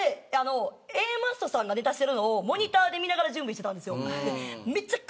Ａマッソさんがネタしてるのをモニターで見ながら準備してたんです。